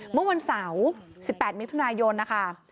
เมื่อวันเสาร์๑๘มิถุนายนนะคะ